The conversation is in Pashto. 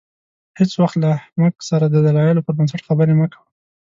هېڅ وخت له احمق سره د دلایلو پر بنسټ خبرې مه کوه.